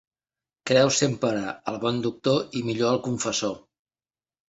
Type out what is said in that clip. Creu sempre el bon doctor i millor al confessor.